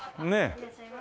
いらっしゃいませ。